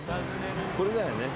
これだよね。